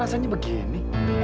kok rasanya begini